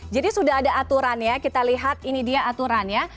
jadi sudah ada aturan ya kita lihat ini dia aturan ya